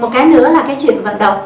một cái nữa là cái chuyện vận động